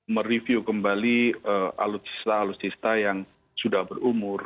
mereview kembali alutsista alutsista yang sudah berumur